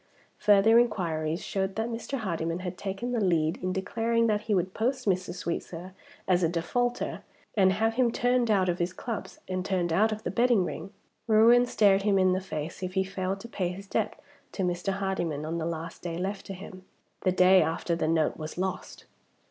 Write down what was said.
Further inquiries showed that Mr. Hardyman had taken the lead in declaring that he would post Mr. Sweetsir as a defaulter, and have him turned out of his clubs, and turned out of the betting ring. Ruin stared him in the face if he failed to pay his debt to Mr. Hardyman on the last day left to him the day after the note was lost.